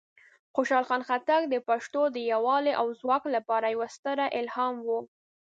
خوشحال خان خټک د پښتنو د یوالی او ځواک لپاره یوه ستره الهام وه.